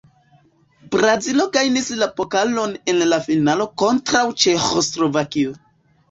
Brazilo gajnis la pokalon en la finalo kontraŭ Ĉeĥoslovakio.